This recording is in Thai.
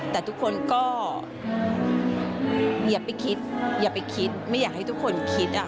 แต่ทุกคนก็อย่าไปคิดไม่อยากให้ทุกคนคิด